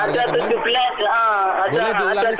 ada tujuh belas warga dari kendeng